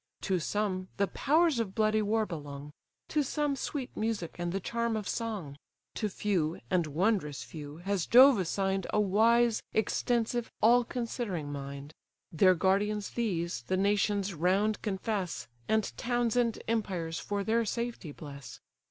To some the powers of bloody war belong, To some sweet music and the charm of song; To few, and wondrous few, has Jove assign'd A wise, extensive, all considering mind; Their guardians these, the nations round confess, And towns and empires for their safety bless.